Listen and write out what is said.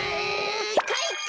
かいか！